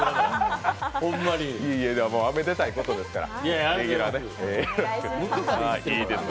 おめでたいことですから。